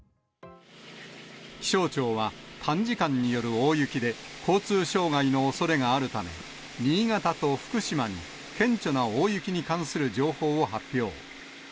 気象庁は、短時間による大雪で、交通障害のおそれがあるため、新潟と福島に、顕著な大雪に関する情報を発表。